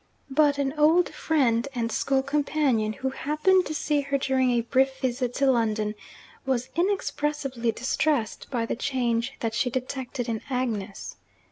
But an old friend and school companion who happened to see her during a brief visit to London, was inexpressibly distressed by the change that she detected in Agnes.